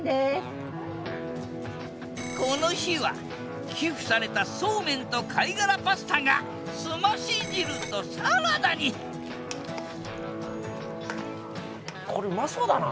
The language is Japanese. この日は寄付されたそうめんと貝殻パスタがすまし汁とサラダにこれうまそうだな。